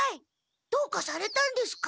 どうかされたんですか？